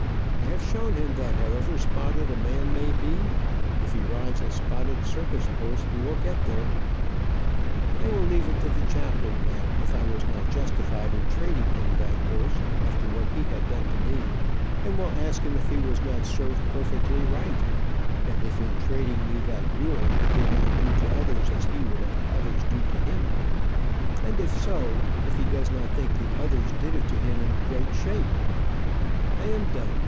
I have shown him that however spotted a man may be, if he rides a spotted circus horse, he will get there. I will leave it to the chaplain, now, if I was not justified in trading him that horse, after what he had done to me, and will ask him if he was not served perfectly right, and if in trading me that mule he did not do to others as he would have others do to him, and if so, if he does not think the others did it to him in great shape. I am done.